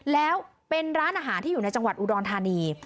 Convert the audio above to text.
แล้วเป็นร้านอาหารที่อยู่ในจังหวัดอุดรธานี